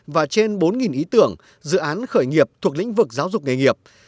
và trên bốn ý tưởng dự án khởi nghiệp thuộc lĩnh vực giáo dục nghề nghiệp